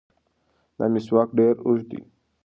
دا مسواک ډېر اوږد دی.